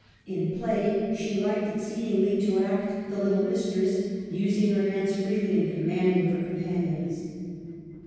In play she liked exceedingly to act the little mistress, using her hands freely and commanding her companions."